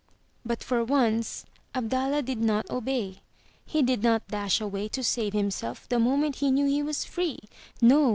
*' But for once, Abdallah did not obey. He did not dash away to save himself the moment he knew he was free. No!